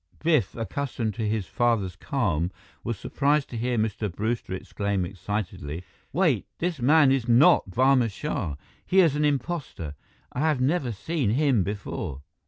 Biff, accustomed to his father's calm, was surprised to hear Mr. Brewster exclaim excitedly, "Wait! This man is not Barma Shah. He is an impostor! I have never seen him before!"